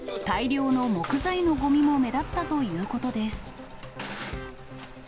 大量の木材のごみも目立ったということです。